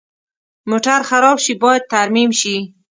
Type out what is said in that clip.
موټر خراب شي، باید ترمیم شي.